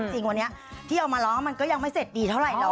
จริงวันนี้ที่เอามาร้องมันก็ยังไม่เสร็จดีเท่าไหรอ